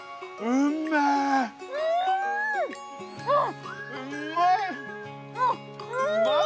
うん。